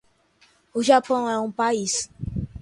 O Japão é um país.